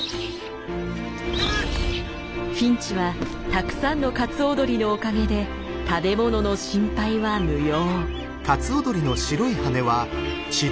フィンチはたくさんのカツオドリのおかげで食べ物の心配は無用。